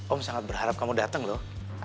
om sangat berharap kamu datang loh